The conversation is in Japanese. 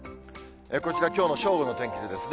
こちらきょうの正午の天気図ですね。